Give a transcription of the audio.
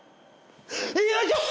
よいしょ！